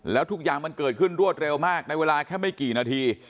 แล้วทุกอย่างมันเกิดขึ้นรวดเร็วมากในเวลาแค่ไม่กี่นาที